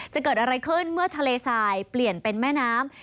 จะเกิดอะไรขึ้นเมื่อทะเลทรายเปลี่ยนเป็นแม่น้ำ